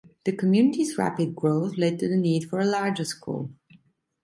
The community's rapid growth led to the need for a larger school.